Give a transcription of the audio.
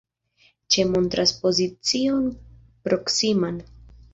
Ĉe montras pozicion proksiman.